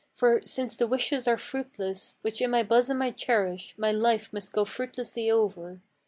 for, since the wishes are fruitless Which in my bosom I cherish, my life must go fruitlessly over.